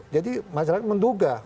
jadi masyarakat menduga